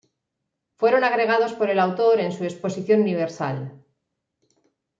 Fueron agregados por el autor en su "Exposición Universal".